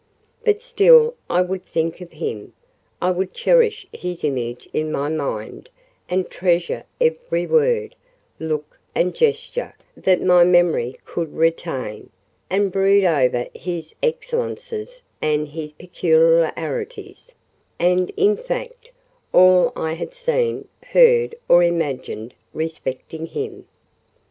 But still, I would think of him: I would cherish his image in my mind; and treasure every word, look, and gesture that my memory could retain; and brood over his excellences and his peculiarities, and, in fact, all I had seen, heard, or imagined respecting him.